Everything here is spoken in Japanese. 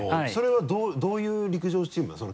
それはどういう陸上チームなの？